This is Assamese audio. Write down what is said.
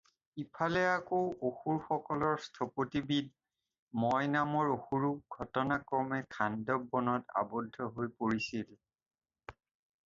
ইফালে আকৌ অসুৰসকলৰ স্থপতিবিদ ময় নামৰ অসুৰো ঘটনাক্ৰমে খাণ্ডৱ বনত আবদ্ধ হৈ পৰিছিল।